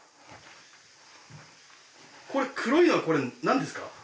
これ黒いのはこれなんですか？